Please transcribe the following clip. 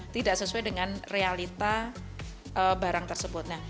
tidak sesuai dengan realita barang tersebut